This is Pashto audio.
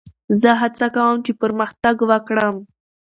زه هڅه کوم، چي پرمختګ وکړم.